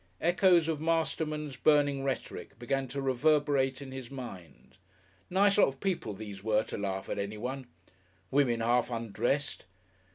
Echoes of Masterman's burning rhetoric began to reverberate in his mind. Nice lot of people these were to laugh at anyone! Women half undressed.